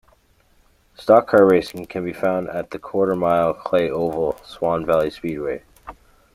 Stock car racing can be found at the quarter-mile clay oval Swan Valley Speedway.